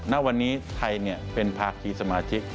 ณวันนี้ไทยเป็นภาคีสมาชิก